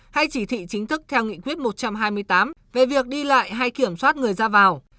hay chỉ thị chính thức theo nghị quyết một trăm hai mươi tám về việc đi lại hay kiểm soát người ra vào